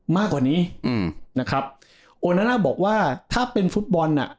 มากกว่านี้อืมนะครับโอนาน่าบอกว่าถ้าเป็นฟุตบอลน่ะ